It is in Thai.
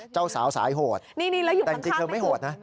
เจ้าสาวสายโหดแต่จริงเธอไม่โหดนะ